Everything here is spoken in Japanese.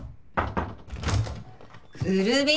・くるみ！